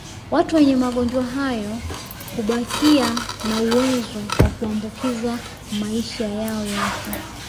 Watu wenye magonjwa hayo hubakia na uwezo wa kuambukiza maisha yao yote